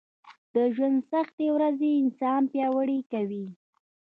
د ژونــد سختې ورځې انـسان پـیاوړی کوي